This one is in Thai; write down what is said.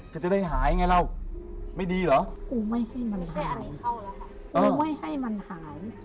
ก็จะได้หายไงเล่าไม่ดีเหรอกูไม่ให้มันหาย